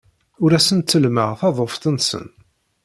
Ur asen-ttellmeɣ taḍuft-nsen.